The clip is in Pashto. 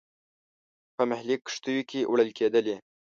په محلي کښتیو کې وړل کېدلې.